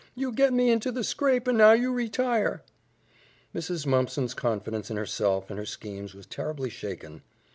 "You get me into the scrape and now you retire." Mrs. Mumpson's confidence in herself and her schemes was terribly shaken.